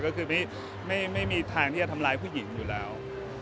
ก็คือไม่มีทางที่จะทำร้ายผู้หญิงอยู่แล้ว